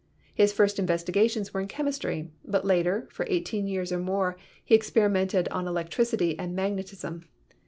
His first investigations were in chemistry, but later, for eighteen years or more, he experimented on electricity and magnet ism.